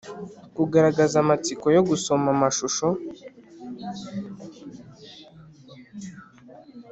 -kugaragagaza amatsiko yo gusoma amashusho